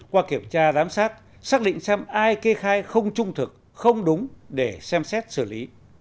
qua kiểm tra giám sát xác định xem ai kê khai không trung thực không đúng để xem xét xử lý